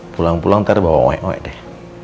pulang pulang ntar bawa wek wek deh